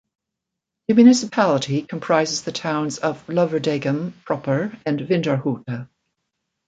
The municipality comprises the towns of Lovendegem proper and Vinderhoute.